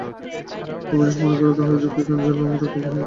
অবিনাশ মনে করে তাহারই যুক্তি যেন গোরার মুখ দিয়া বাহির হইতেছে।